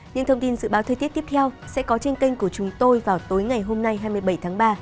những thông tin dự báo thời tiết tiếp theo sẽ có trên kênh của chúng tôi vào tối ngày hôm nay hai mươi bảy tháng ba